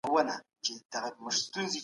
بزګران باید خپل حق ترلاسه کړي.